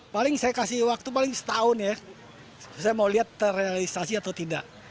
paling saya kasih waktu paling setahun ya saya mau lihat terrealisasi atau tidak